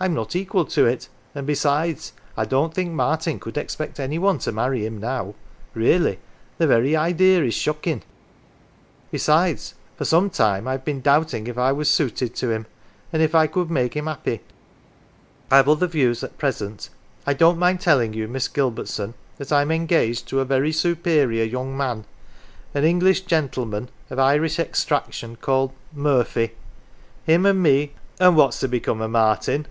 I'm not equal to it; and liesides, I don't think Martin could expect any one to marry him now. Really, the very ideer is shockin' ! Besides, for some time I'd been doubting if I was suited to him, if I could make him 'appy. Indeed I've other views at present. I don't mind telling you, Miss Gilbertson, that I'm engaged to a very superior young 95 NANCY man, an English gentleman of Irish extraction, called Murphy. Him an 1 me " An 1 what's to become o 1 Martin